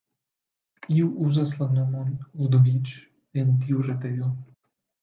Iu uzas la nomon Ludoviĉ en tiu retejo.